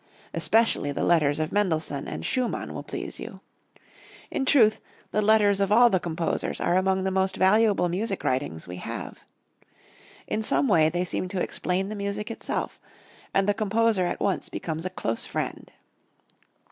Especially the Letters of Mendelssohn and Schumann will please you. In truth the Letters of all the composers are among the most valuable music writings we have. In some way they seem to explain the music itself: and the composer at once becomes a close friend.